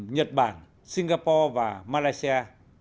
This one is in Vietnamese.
nhật bản singapore và malaysia